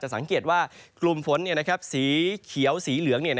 สังเกตว่ากลุ่มฝนสีเขียวสีเหลือง